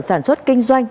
sản xuất kinh doanh